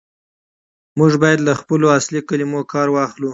موږ بايد له خپلو اصلي کلمو کار واخلو.